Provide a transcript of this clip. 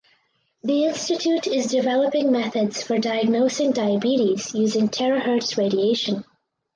The institute is developing methods for diagnosing diabetes using terahertz radiation.